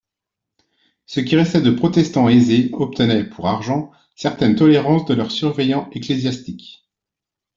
Ce qui restait de protestants aisés obtenaient, pour argent, certaines tolérances de leurs surveillants ecclésiastiques.